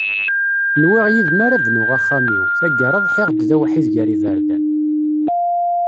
Nwiɣ yid-m ara bnuɣ axxam-iw, tagara ḍḥiɣ-d d awḥid ger iberdan.